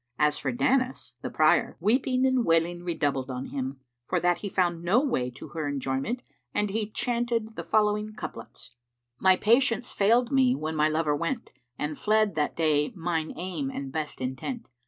As for Danis, the Prior, weeping and wailing redoubled on him, for that he found no way to her enjoyment, and he chanted the following couplets[FN#371], "My patience failed me when my lover went * And fled that day mine aim and best intent.